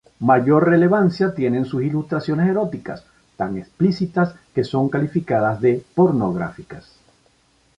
Mayor relevancia tienen sus ilustraciones eróticas, tan explícitas que son calificadas de pornográficas.